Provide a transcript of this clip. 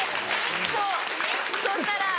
そうそしたら。